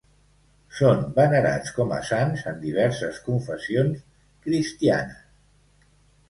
Són venerats com a sants en diverses confessions cristianes.